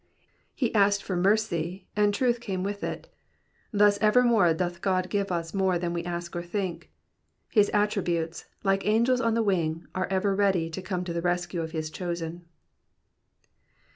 '''* He asked for mercy, and truth came with it. Thus evermore doth God give us more than we ask or think. His attributes, like angels on the wing, are ever ready to come to the rescue of Ms chosen.